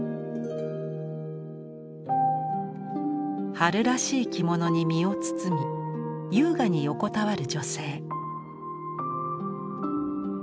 春らしい着物に身を包み優雅に横たわる女性。